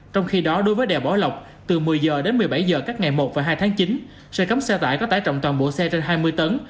trong khi đó đối với đèo bảo lộc từ một mươi h đến một mươi bảy h các ngày một và hai tháng chín xe cấm xe tải có tải trọng toàn bộ xe trên hai mươi tấn